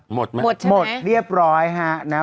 หมดมั้ยหมดใช่มั้ยหมดเรียบร้อยฮะนะฮะ